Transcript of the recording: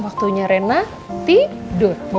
apakah randa belum